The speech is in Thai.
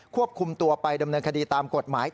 ควบคุมตัวไปดำเนินคดีตามกฎหมาย